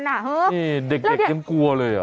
นี่เด็กยังกลัวเลย